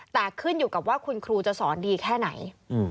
แต่ขึ้นอยู่กับว่าคุณครูจะสอนดีแค่ไหน